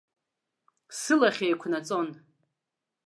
Сылахь еиқәнаҵон.